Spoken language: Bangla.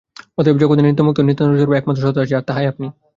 অতএব জগতে নিত্যমুক্ত ও নিত্যানন্দস্বরূপ একমাত্র সত্তা আছে, আর তাহাই আপনি।